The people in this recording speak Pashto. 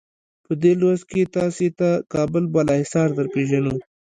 په دې لوست کې تاسې ته کابل بالا حصار درپېژنو.